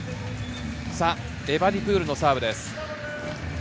エバディプールのサーブです。